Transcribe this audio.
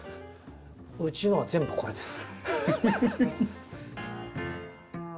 うちのは全部これです。